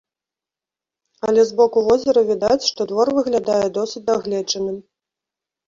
Але з боку возера відаць, што двор выглядае досыць дагледжаным.